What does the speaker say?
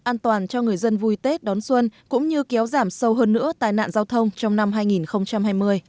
an toàn cho người dân vui tết đón xuân cũng như kéo giảm sâu hơn nữa tai nạn giao thông trong năm hai nghìn hai mươi